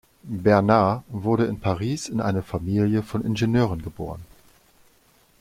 Bernard wurde in Paris in eine Familie von Ingenieuren geboren.